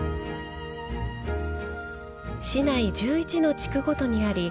市内１１の地区ごとにあり